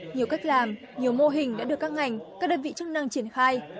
nhiều cách làm nhiều mô hình đã được các ngành các đơn vị chức năng triển khai